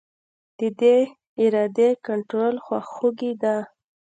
د دې ارادې کنټرول خواخوږي ده.